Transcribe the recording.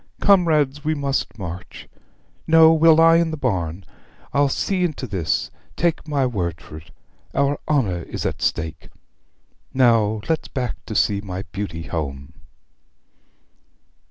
Comrades, we must march! No, we'll lie in the barn. I'll see into this, take my word for 't. Our honour is at stake. Now let's back to see my beauty home.'